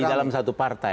di dalam satu partai